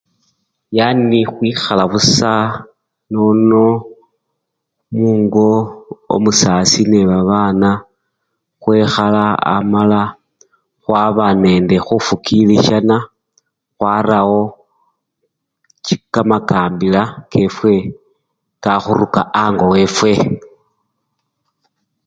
Yanii khwikhala busa nono mungo omusasi nende babana khwekhala amala khwaba nende khufukilishana khwarawo chi kamakambila kefwe, kakhuruka ango wefwe